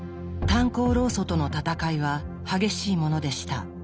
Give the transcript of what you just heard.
炭鉱労組との戦いは激しいものでした。